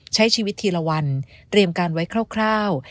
ใช้ชีวิตทีละวันเตรียมการไว้คร่าว